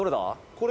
「これ」